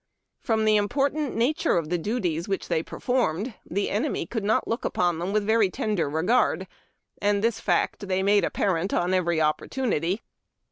From the important nature of the duties which they performed, the enemy could not look upon them with very tender regard, and this fact they made apparent on every opportunity.